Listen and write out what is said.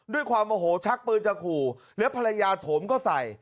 ด้วยความโอโหชักปืนจะขู่แล้วภรรยาโถมก็ใส่